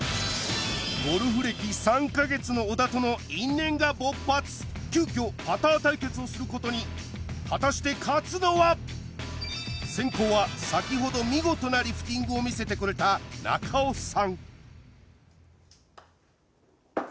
ゴルフ歴３か月の小田との因縁が勃発急きょパター対決をすることに果たして勝つのは先攻は先ほど見事なリフティングを見せてくれた中尾さん